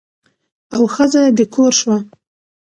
او ښځه د کور شوه.